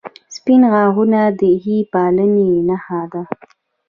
• سپین غاښونه د ښې پاملرنې نښه ده.